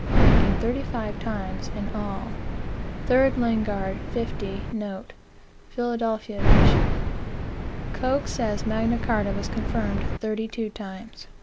making thirty five times in all. 3 Lingard, 50, note, Philad. ed. Coke says Magna Carta was confirmed thirty two times.